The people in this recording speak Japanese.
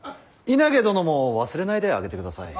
稲毛殿も忘れないであげてください。